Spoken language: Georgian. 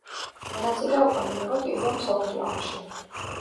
მონაწილეობა მიიღო პირველ მსოფლიო ომში.